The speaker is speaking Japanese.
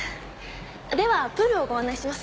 ではプールをご案内します。